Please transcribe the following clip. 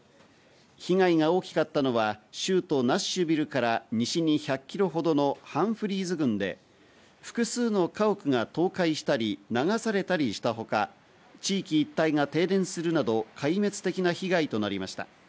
被害が大きかったのは州都ナッシュビルから西に１００ｋｍほどのハンフリーズ郡で、複数の家屋が倒壊したり流されたりしたほか、地域一帯が停電するなど壊滅的な被害となりました。